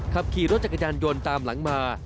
ขับขี่รถจักรยานยนต์ตามหลังมา